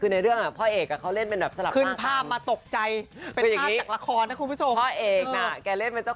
ในเรื่องพ่อเอกสูงภาพเขาเล่น